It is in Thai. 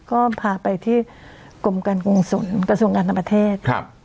ก็พาไปที่กรมกันกรุงศูนย์กระทรวงการธรรมเทศ